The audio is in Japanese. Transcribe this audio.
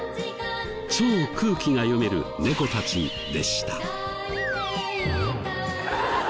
超空気が読める猫たちでした。